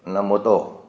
là một tổ